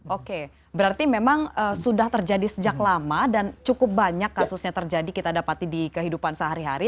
oke berarti memang sudah terjadi sejak lama dan cukup banyak kasusnya terjadi kita dapati di kehidupan sehari hari